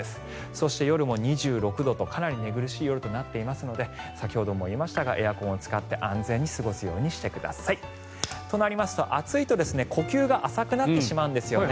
そして、夜も２６度とかなり寝苦しい夜となっていますので先ほども言いましたがエアコンを使って安全に過ごすようにしてください。となりますと暑くなると呼吸が浅くなってしまうんですよね。